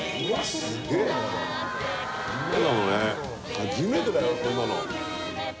初めてだよ、こんなの。